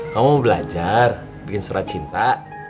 kamu belajar bikin surat cinta